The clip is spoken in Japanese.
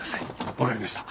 分かりました。